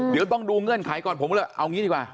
เดี๋ยวต้องดูเงื่อนไขก่อนผมก็เลยเอางี้ดีกว่า